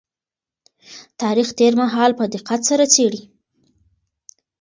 تاريخ تېر مهال په دقت سره څېړي.